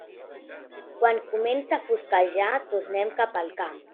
Quan comença a fosquejar tornem cap al camp.